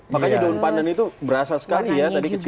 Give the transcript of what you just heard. makanya daun pandan itu berasa sekali ya tadi kecil